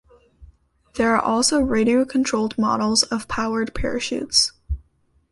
There are also radio-controlled models of powered parachutes.